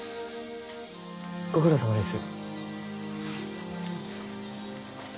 ご苦労さまです。